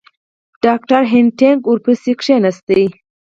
ډاکټر هینټیګ ورپسې کښېنست.